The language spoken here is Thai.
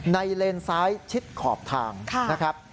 เลนซ้ายชิดขอบทางนะครับ